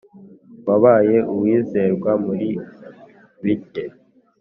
Wabaye uwizerwa muri bike